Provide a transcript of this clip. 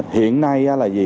hiện nay là gì